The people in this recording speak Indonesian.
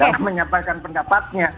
dalam menyampaikan pendapatnya